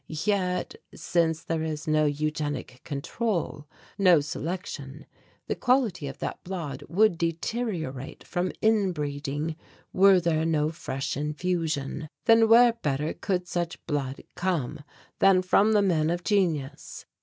Yet since there is no eugenic control, no selection, the quality of that blood would deteriorate from inbreeding, were there no fresh infusion. Then where better could such blood come than from the men of genius?